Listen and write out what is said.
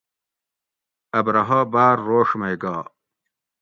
ابرھہ باۤر روڛ مئی گا